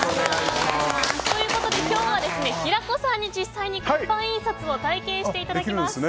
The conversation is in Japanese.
今日は平子さんに実際に活版印刷を体験していただきます。